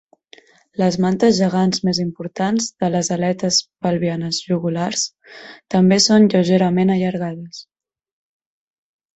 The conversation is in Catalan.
Les mantes gegants més importants de les aletes pelvianes jugulars també són lleugerament allargades.